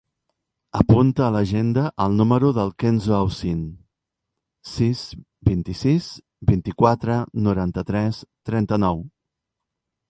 Apunta a l'agenda el número del Kenzo Ausin: sis, vint-i-sis, vint-i-quatre, noranta-tres, trenta-nou.